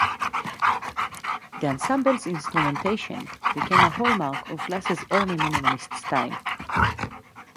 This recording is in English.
The Ensemble's instrumentation became a hallmark of Glass's early minimalist style.